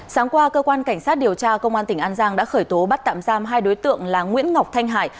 sáng qua cơ quan cảnh sát điều tra công an tỉnh an giang đã khởi tố bắt tạm giam hai đối tượng là nguyễn ngọc thanh hải